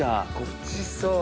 ごちそう！